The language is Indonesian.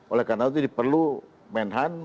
oleh karena itu perlu menhan